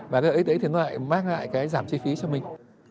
và cái hợp ích đấy thì nó lại mang lại cái giảm chi phí cho mình